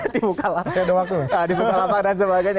di bukalapak dan sebagainya